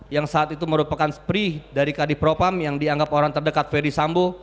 yang saat itu merupakan spri dari kadipropam yang dianggap orang terdekat ferdi sambo